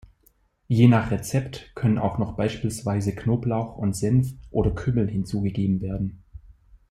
Je nach Rezept können auch noch beispielsweise Knoblauch und Senf oder Kümmel hinzugegeben werden.